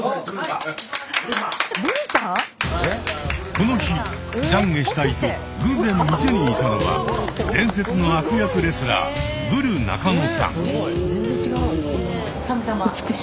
この日懺悔したいと偶然店にいたのは伝説の悪役レスラーブル中野さん。